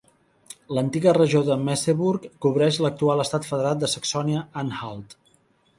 L'antiga regió de Merseburg cobreix l'actual estat federat de Saxònia-Anhalt.